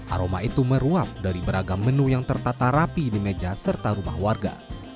aroma itu meruap dari beragam menu yang tertata rapi di meja serta rumah warga